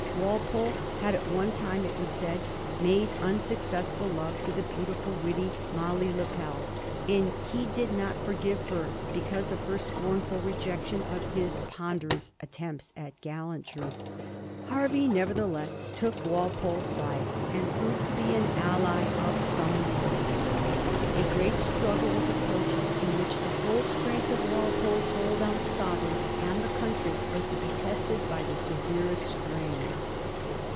Walpole had at one time, it was said, made unsuccessful love to the beautiful and witty Molly Lepell, and he did not forgive her because of her scornful rejection of his ponderous attempts at gallantry. Hervey neverthe Digiti zed by Google 1730 THE SINKING FUND. 405 less took Walpole's side, and proved to be an ally of some importance. A great struggle was approaching, in which the whole strength of Walpole's hold on the Sovereign and the country was to be tested by the severest strain.